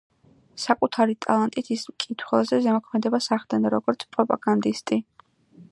საკუთარი ტალანტით ის მკითხველზე ზემოქმედებას ახდენდა, როგორც პროპაგანდისტი.